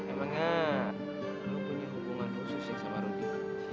emangnya lo punya hubungan khususnya sama rudy